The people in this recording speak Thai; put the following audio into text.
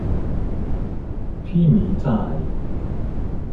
พี่หมีจ่าย